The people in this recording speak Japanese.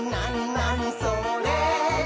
なにそれ？」